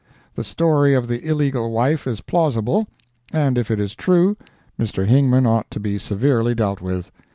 The story of the illegal wife is plausible, and if it is true, Mr. Hingman ought to be severely dealt with.